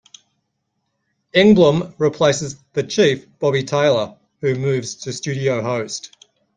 Engblom replaces "The Chief" Bobby Taylor, who moves to studio host.